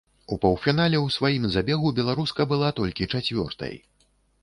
У паўфінале ў сваім забегу беларуска была толькі чацвёртай.